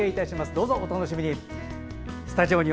どうぞお楽しみに。